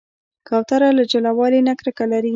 کوتره له جلاوالي نه کرکه لري.